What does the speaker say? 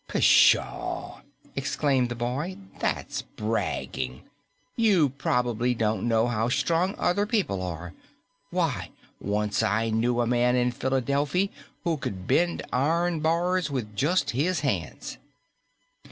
"Pshaw!" exclaimed the boy. "That's bragging. You prob'ly don't know how strong other people are. Why, once I knew a man in Philadelphi' who could bend iron bars with just his hands!"